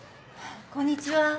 こんにちは。